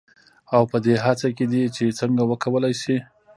او پـه دې هـڅـه کې دي چـې څـنـګه وکـولـى شـي.